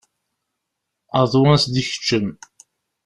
Aḍu ad s-d-ikeččem.